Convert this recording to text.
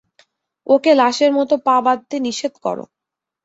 ওকে লাশের মতো পা বাঁধতে নিষেধ করো।